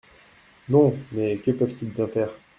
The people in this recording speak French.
Non, mais que peuvent-ils bien faire ?